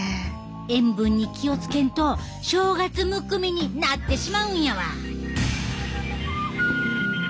塩分に気を付けんと正月むくみになってしまうんやわ！